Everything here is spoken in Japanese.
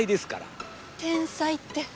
天才って。